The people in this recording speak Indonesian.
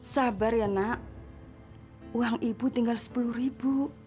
sabar ya nak uang ibu tinggal rp sepuluh